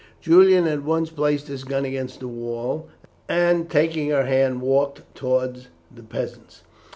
Julian at once placed his gun against the wall, and, taking her hand, walked forward to the peasants.